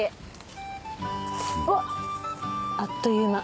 おっあっという間。